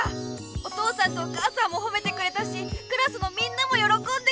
お父さんとお母さんもほめてくれたしクラスのみんなもよろこんでくれた！